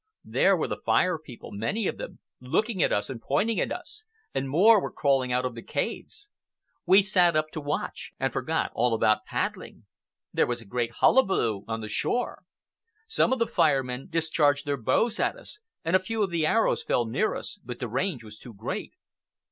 There were the Fire People, many of them, looking at us and pointing at us, and more were crawling out of the caves. We sat up to watch, and forgot all about paddling. There was a great hullabaloo on the shore. Some of the Fire Men discharged their bows at us, and a few of the arrows fell near us, but the range was too great.